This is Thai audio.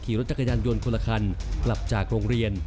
ขี่รถจักรยานยนต์คนละคันกลับจากโรงเรียน